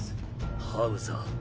ハウザー。